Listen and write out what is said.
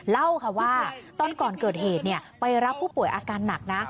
เล่าค่ะว่าตอนก่อนเกิดเหตุไปรับผู้ป่วยอาการหนักนะ